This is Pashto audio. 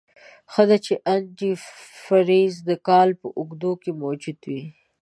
ښه ده چې انتي فریز دکال په اوږدو کې موجود وي.